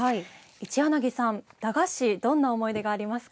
一柳さん、駄菓子どんな思い出がありますか。